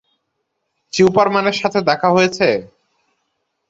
চিউপারম্যানের সাথে দেখা হয়েছে?